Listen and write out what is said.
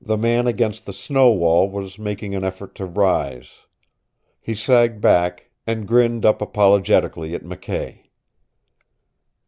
The man against the snow wall was making an effort to rise. He sagged back, and grinned up apologetically at McKay.